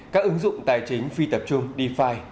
các ứng dụng tài chính phi tập trung defi